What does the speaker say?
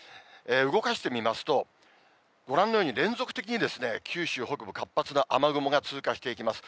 動かしてみますと、ご覧のように連続的に九州北部、活発な雨雲が通過していきます。